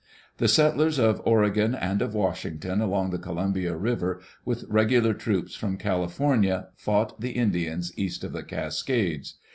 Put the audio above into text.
The settlers of Oregon and of Washington along the Columbia River, with regular troops from California, fought the Indians east of the Cascades.